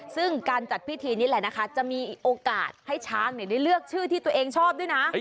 ซึ่งการจัดพิธีนี้แหละนะคะจะมีโอกาสให้ช้างได้เลือกชื่อที่ตัวเองชอบด้วยนะ